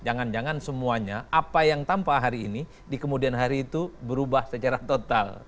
jangan jangan semuanya apa yang tampak hari ini di kemudian hari itu berubah secara total